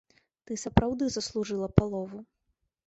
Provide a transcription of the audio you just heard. Ты сапраўды заслужыла палову.